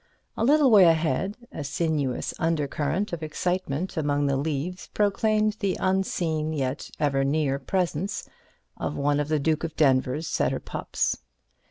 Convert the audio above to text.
A little way ahead, a sinuous undercurrent of excitement among the leaves proclaimed the unseen yet ever near presence of one of the Duke of Denver's setter pups.